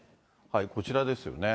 こちらですよね。